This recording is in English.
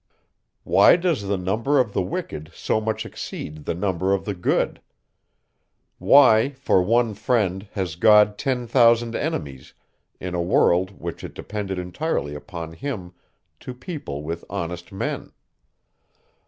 Why does the number of the wicked so much exceed the number of the good? Why, for one friend, has God ten thousand enemies, in a world, which it depended entirely upon him to people with honest men?